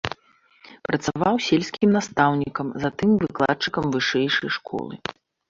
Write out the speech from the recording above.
Працаваў сельскім настаўнікам, затым выкладчыкам вышэйшай школы.